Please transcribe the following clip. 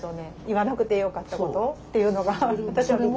言わなくてよかったことっていうのが私はびっくり。